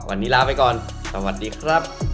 วันนี้ลาไปก่อนสวัสดีครับ